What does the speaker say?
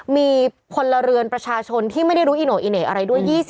มีพลเรือนประชาชนที่ไม่ได้รู้อิโนอิเน่อะไรด้วย